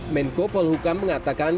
menko polhukam mengatakan